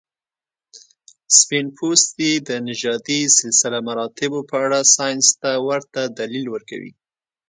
سپین پوستي د نژادي سلسله مراتبو په اړه ساینس ته ورته دلیل ورکوي.